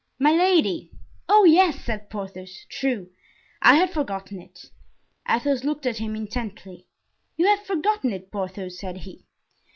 "Milady." "Oh, yes!" said Porthos; "true, I had forgotten it!" Athos looked at him intently. "You have forgotten it, Porthos?" said he.